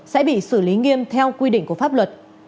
sẽ bị xử lý nghiêm theo quy định của pháp luật